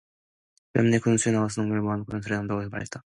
읍에서 군수가 나와서 농민들을 모아 놓고 연설을 한다고 한다.